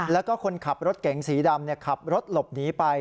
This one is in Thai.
แล้วก็คนขับรถเก๋งสีดำขับรถหลบหนีไป